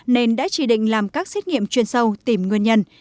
nên đã chỉ định làm các xét nghiệm chuyên sâu tìm nguyên nhân